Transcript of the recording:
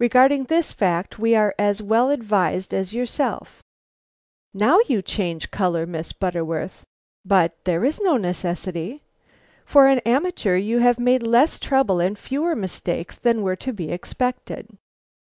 Regarding this fact we are as well advised as yourself. Now you change color, Miss Butterworth. But there is no necessity. For an amateur you have made less trouble and fewer mistakes than were to be expected."